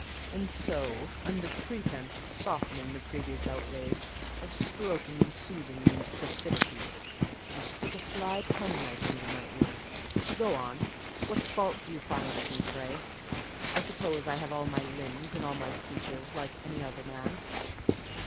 And so, under pretence of softening the previous outrage, of stroking and soothing me into placidity, you stick a sly penknife under my ear! Go on: what fault do you find with me, pray? I suppose I have all my limbs and all my features like any other man?"